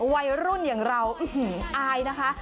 วัยรุ่นอย่างเราอายนะคะ